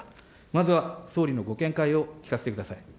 まずは総理のご見解を聞かせてください。